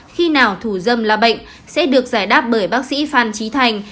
khi nào thủ dâm là bệnh sẽ được giải đáp bởi bác sĩ phan trí thành